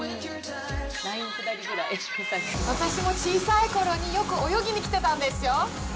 私も小さいころによく泳ぎに来てたんですよ。